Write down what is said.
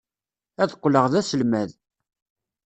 Ad qqleɣ d aselmad.